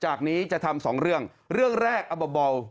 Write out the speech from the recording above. จากนี้จะทำสองเรื่องเรื่องแรกเอาเบา